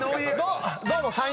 どうも。